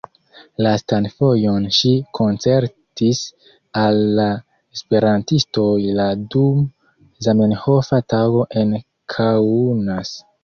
Lastan fojon ŝi koncertis al la esperantistoj la dum Zamenhofa Tago en Kaunas.